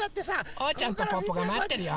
おうちゃんとぽぅぽがまってるよ。